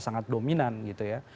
sangat dominan gitu ya